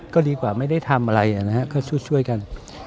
ก็ดีกว่าไม่ได้ทำอะไรนะฮะก็ช่วยกัน